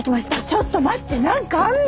ちょっと待って何かあんの！